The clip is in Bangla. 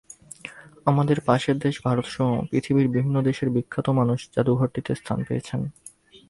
আমাদের পাশের দেশ ভারতসহ পৃথিবীর বিভিন্ন দেশের বিখ্যাত মানুষ জাদুঘরটিতে স্থান পেয়েছেন।